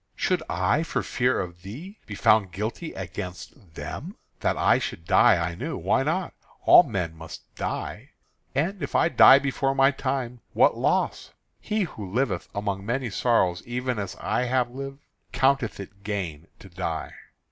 Should I, for fear of thee, be found guilty against them? That I should die I knew. Why not? All men must die. And if I die before my time, what loss? He who liveth among many sorrows even as I have lived, counteth it gain to die.